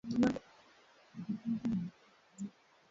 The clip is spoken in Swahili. Ndipo alipogundua kuwa aliyefanya mauaji alikuwa ni mtoto wa Daisy